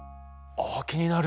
あ気になる。